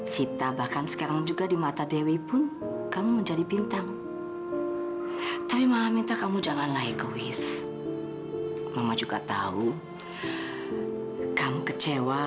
sampai jumpa di video selanjutnya